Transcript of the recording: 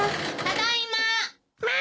ただいま。